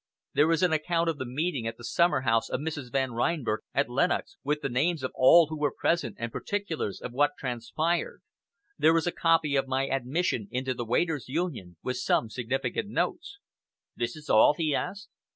There is an account of the meeting at the summer house of Mrs. Van Reinberg at Lenox, with the names of all who were present and particulars of what transpired. There is a copy of my admission into the Waiters' Union, with some significant notes." "This is all?" he asked.